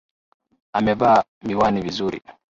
Amevaa miwani vizuri.